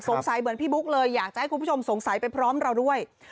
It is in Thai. สงสัยเหมือนพี่บุ๊คเลยอยากจะสงสัยไปพร้อมเราด้วย